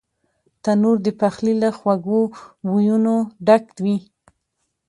تنور د پخلي له خوږو بویونو ډک وي